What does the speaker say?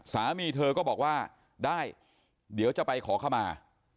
สามีเธอก็บอกว่าได้เดี๋ยวจะไปขอเข้ามา